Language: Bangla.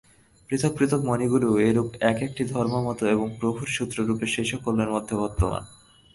পৃথক পৃথক মণিগুলি এইরূপ এক-একটি ধর্মমত এবং প্রভুই সূত্ররূপে সেই সকলের মধ্যে বর্তমান।